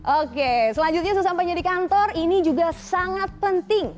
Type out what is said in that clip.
oke selanjutnya sesampainya di kantor ini juga sangat penting